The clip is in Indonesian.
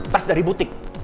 tas dari butik